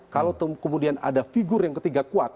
kalau kemudian ada figur yang ketiga kuat